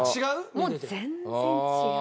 もう全然違う。